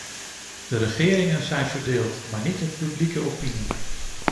De regeringen zijn verdeeld, maar niet de publieke opinie.